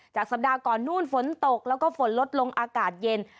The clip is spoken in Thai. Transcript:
สัปดาห์ก่อนนู่นฝนตกแล้วก็ฝนลดลงอากาศเย็น